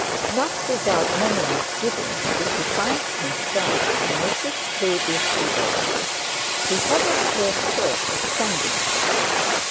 Not without many misgivings did he find himself in Mrs Proudie's boudoir. He had at first thought of sending for her.